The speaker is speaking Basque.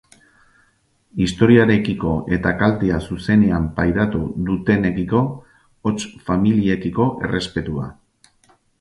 Istorioarekiko eta kaltea zuzenean pairatu dutenekiko, hots familiekiko, errespetua.